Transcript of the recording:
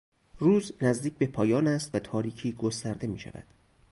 روز نزدیک به پایان است و تاریکی گسترده میشود.